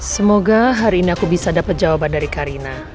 semoga hari ini aku bisa dapat jawaban dari karina